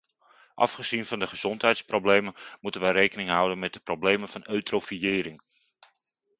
Afgezien van de gezondheidsproblemen, moeten wij rekening houden met de problemen van eutrofiëring.